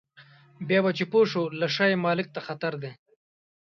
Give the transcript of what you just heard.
بیا به چې پوه شو له شا یې مالک ته خطر دی.